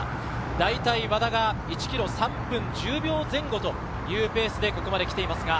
だいたい和田が１ｋｍ３分１０秒前後というペースでここまで来ています。